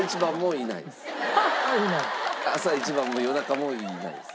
朝一番も夜中もいないです。